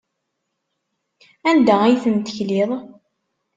Anda ay ten-tekliḍ?